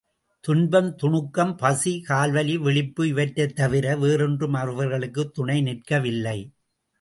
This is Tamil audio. துன்பம், துணுக்கம், பசி, கால்வலி, விழிப்பு இவற்றைத் தவிர வேறொன்றும் அவர்களுக்குத் துணை நிற்கவில்லை.